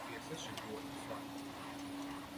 Вие се шегувате со нив.